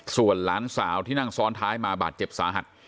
ส่วนหลานสาวที่นั่งซ้อนท้ายมาบาดเจ็บสาหัส